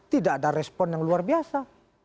tidak ada respon yang luar biasa